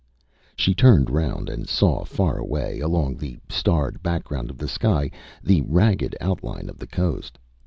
She turned round and saw far away, along the starred background of the sky, the ragged outline of the coast.